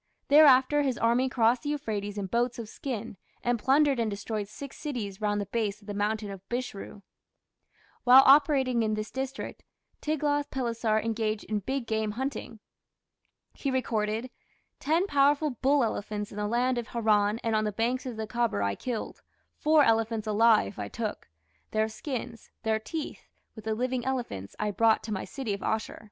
Thereafter his army crossed the Euphrates in boats of skin, and plundered and destroyed six cities round the base of the mountain of Bishru. While operating in this district, Tiglath pileser engaged in big game hunting. He recorded: "Ten powerful bull elephants in the land of Haran and on the banks of the Khabour I killed; four elephants alive I took. Their skins, their teeth, with the living elephants, I brought to my city of Asshur."